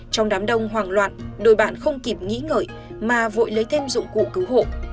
trong đám đông hoảng loạn đôi bạn không kịp nghĩ ngợi mà vội lấy thêm dụng cụ cứu hộ